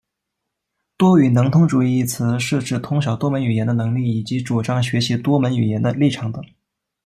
多语能通主义一词是指通晓多门语言的能力以及主张学习多门语言的立场等。